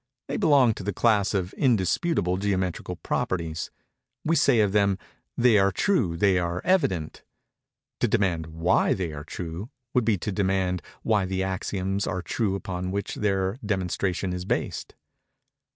They belong to the class of indisputable geometrical properties. We say of them, "they are true—they are evident." To demand why they are true, would be to demand why the axioms are true upon which their demonstration is based.